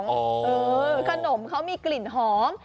ขนมเขามีกลิ่นหอม